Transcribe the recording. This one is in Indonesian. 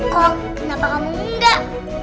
kok kenapa kamu enggak